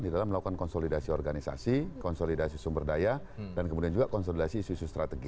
di dalam melakukan konsolidasi organisasi konsolidasi sumber daya dan kemudian juga konsolidasi isu isu strategi